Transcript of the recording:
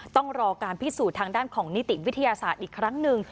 ต้องรอการพิสูจน์ทางด้านของนิติวิทยาศาสตร์อีกครั้งหนึ่ง